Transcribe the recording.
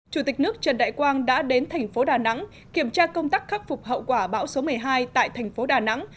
chủ tịch nước trần đại quang đã đến thành phố đà nẵng kiểm tra công tác khắc phục hậu quả bão số một mươi hai tại thành phố đà nẵng